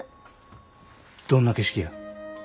どんな景色や。